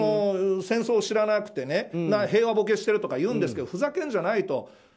戦争を知らなくて平和ボケしてるとか言うんですけどふざけんじゃないと。